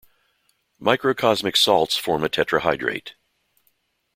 Microcosmic salts form a tetrahydrate.